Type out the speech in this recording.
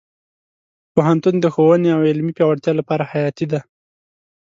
پوهنتون د ښوونې او علمي پیاوړتیا لپاره حیاتي دی.